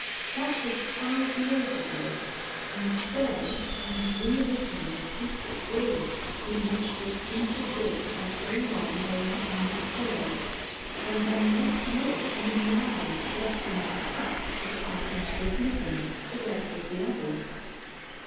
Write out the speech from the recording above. That was five years ago, and to day I have reopened the secret drawer in which this simple book has so long lain undisturbed, and am once more penning lines destined perhaps to pass into oblivion together with the others.